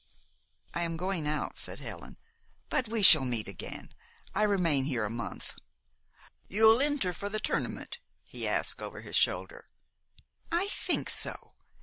"I am going out," said Helen; "but we shall meet again. I remain here a month." "You'll enter for the tournament?" he asked over his shoulder. "I think so.